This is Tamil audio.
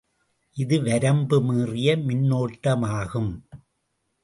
இது வரம்பு மீறிய மின்னோட்டமாகும்.